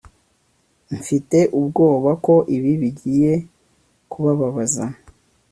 mfite ubwoba ko ibi bigiye kubabaza